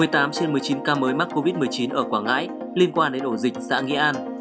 một mươi tám trên một mươi chín ca mới mắc covid một mươi chín ở quảng ngãi liên quan đến ổ dịch xã nghĩa an